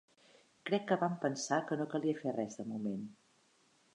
Crec que van pensar que no calia fer res de moment.